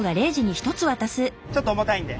ちょっと重たいんで。